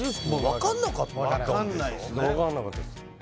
分からなかったです